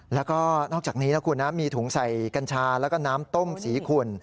แล้วก็นอกจากนี้นะคุณนะมีถุงใส่กัญชาแล้วก็น้ำต้มสีขุ่น